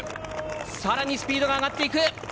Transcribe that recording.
さらにスピードが上がっていく！